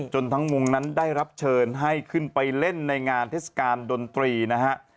ทั้งวงนั้นได้รับเชิญให้ขึ้นไปเล่นในงานเทศกาลดนตรีนะฮะ